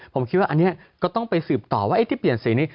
ผมคิดว่าอันนี้ก็ต้องไปสืบต่อว่าไอ้ที่เปลี่ยนสีนี้